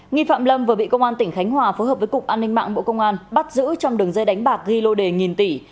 nghi phạm lâm vừa bị công an tỉnh khánh hòa phối hợp với cục an ninh mạng bộ công an bắt giữ trong đường dây đánh bạc ghi lô đề nghìn tỷ